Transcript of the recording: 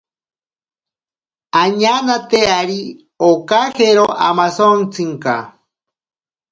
Añanate ari okajero amasontsinka.